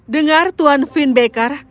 dengar tuan finn baker